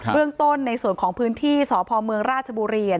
เรื่องต้นในส่วนของพื้นที่สพเมืองราชบุรี